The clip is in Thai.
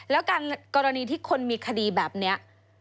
แล้วการกรณีที่คนมีคดีแบบนี้